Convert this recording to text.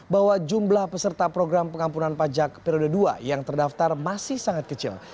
bahwa jumlah peserta program pengampunan pajak periode dua yang terdaftar masih sangat kecil